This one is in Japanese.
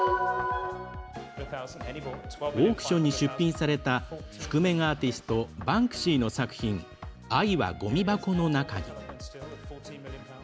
オークションに出品された覆面アーティストバンクシーの作品「愛はごみ箱の中に」。